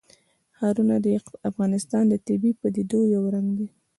ښارونه د افغانستان د طبیعي پدیدو یو رنګ دی.